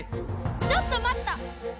ちょっとまった！